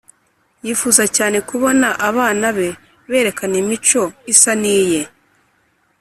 yifuza cyane kubona abana be berekana imico isa n’iye